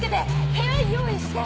部屋用意して！